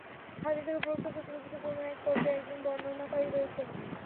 হাদীসের উপরোক্ত সূত্রটিতে কোন এক পর্যায়ে একজন বর্ণনাকারী রয়েছেন।